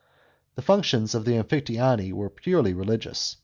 * The functions of the Amphictyony were purely religious.